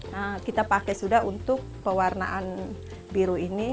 nah kita pakai sudah untuk pewarnaan biru ini